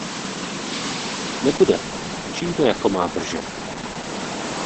Nebude, čím to jako má držet?